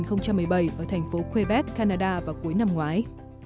ở thành phố quebec canada vào cuối năm ngoái